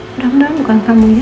mudah mudahan bukan kamu ya